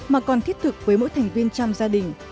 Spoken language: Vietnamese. mà còn thiết thực với mỗi thành viên trong gia đình